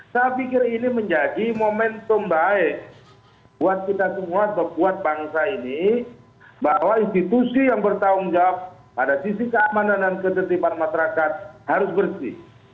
saya pikir ini menjadi momentum baik buat kita semua buat bangsa ini bahwa institusi yang bertanggung jawab pada sisi keamanan dan ketertiban masyarakat harus bersih